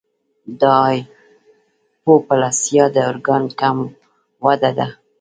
د هایپوپلاسیا د ارګان کم وده ده.